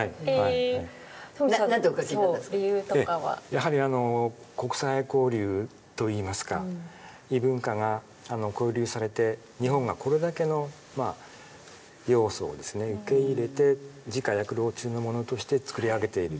やはりあの国際交流といいますか異文化が交流されて日本がこれだけの要素をですね受け入れて自家薬籠中の物として作り上げている。